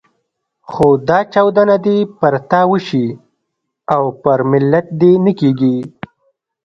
خو دا چاودنه دې پر تا وشي او پر ملت دې نه کېږي.